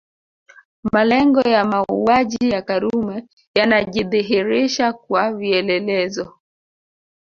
Malengo ya mauaji ya Karume yanajidhihirisha kwa vielelezo